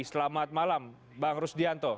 selamat malam bang rusdianto